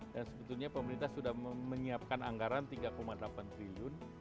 dan sebetulnya pemerintah sudah menyiapkan anggaran tiga delapan triliun